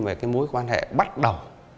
về cái mối quan hệ bắt đầu